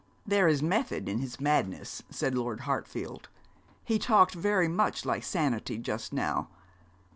'There is method in his madness,' said Lord Hartfield. 'He talked very much like sanity just now.